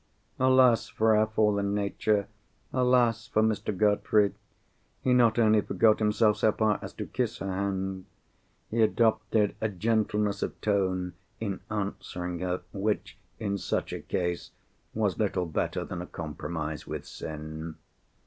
Alas, for our fallen nature! Alas, for Mr. Godfrey! He not only forgot himself so far as to kiss her hand—he adopted a gentleness of tone in answering her which, in such a case, was little better than a compromise with sin.